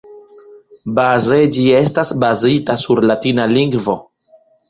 Baze ĝi estas bazita sur latina lingvo.